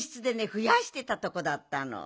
ふやしてたとこだったの。